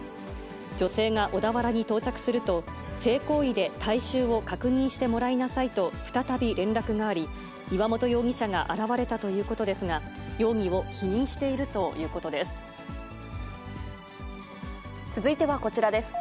女性が小田原に到着すると、性行為で体臭を確認してもらいなさいと、再び連絡があり、岩本容疑者が現れたということですが、容疑を否認しているという続いてはこちらです。